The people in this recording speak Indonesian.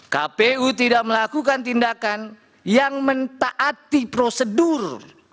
kpu tidak melakukan tindakan yang mentaati prosedur